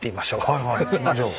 はいはい行きましょう。